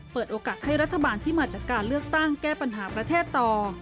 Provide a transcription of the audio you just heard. เปิดโอกาสให้รัฐบาลที่มาจากการเลือกตั้งแก้ปัญหาประเทศต่อ